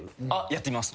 やってみます。